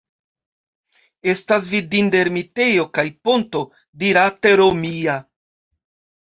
Estas vidinda ermitejo kaj ponto dirate romia.